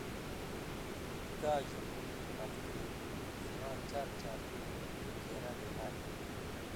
ڇا جُمعی (ہفتی) سِواں چارچاپېر گھېرہ رِنگائ۔